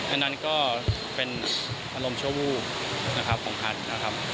อันนั้นก็เป็นอารมณ์ชั่ววูบนะครับของแพทย์นะครับ